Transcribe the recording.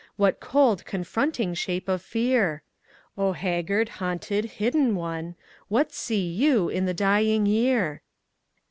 What cold, confronting shape of fear? O haggard, haunted, hidden One What see you in the dying year?